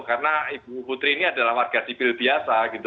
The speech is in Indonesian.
karena ibu putri ini adalah warga sipil biasa